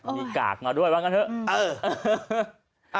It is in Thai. มีกากมาด้วยว่างั้นเถอะ